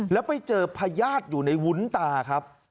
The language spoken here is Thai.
แล้วไปเจอพญาติอยู่ในวุ้นตาครับ